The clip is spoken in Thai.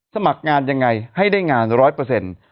สมัครงานยังไงให้ได้งานร้อยเปอร์เซ็นต์